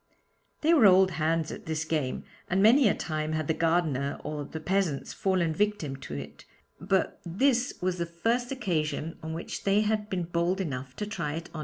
They were old hands at this game, and many a time had the gardener or the peasants fallen victims to it, but this was the first occasion on which they had been bold enough to try it on M.